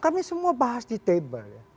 kami semua bahas di table ya